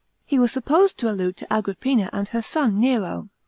He was supposed to al'iule to Agrippina and her son Nero.